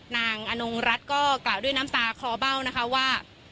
อนงรัฐก็กล่าวด้วยน้ำตาคลอเบ้านะคะว่า